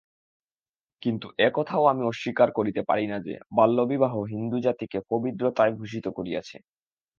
কিন্তু এ-কথাও আমি অস্বীকার করিতে পারি না যে, বাল্যবিবাহ হিন্দুজাতিকে পবিত্রতায় ভূষিত করিয়াছে।